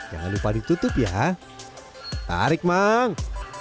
jangan lupa ditutup ya tarik mang